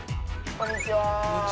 こんにちは。